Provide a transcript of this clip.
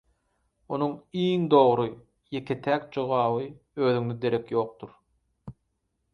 Onuň iň dogry, ýeke-täk jogaby „Özüňde derek ýokdur.“